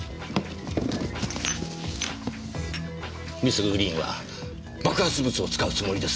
ミス・グリーンは爆発物を使うつもりです。